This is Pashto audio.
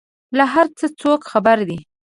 له هر څه څوک خبر دي؟